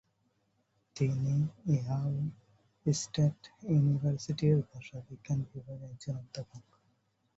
তিনি Ohio State ইউনিভার্সিটি-এর ভাষাবিজ্ঞান বিভাগের একজন অধ্যাপক।